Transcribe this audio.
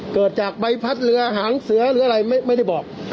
เกิดจากใบพัดเรือหางเสือหรืออะไรไม่ได้บอก